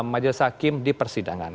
majelis hakim di persidangan